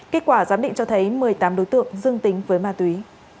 kết quả giám định cho thấy một mươi tám đối tượng dương tính với ma túy